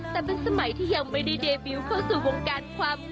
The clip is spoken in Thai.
แต่เป็นสมัยที่ยังไม่ได้เดบิวเข้าสู่วงการความ